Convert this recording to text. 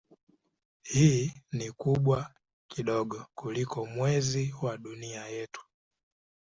Hii ni kubwa kidogo kuliko Mwezi wa Dunia yetu.